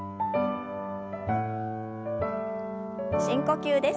深呼吸です。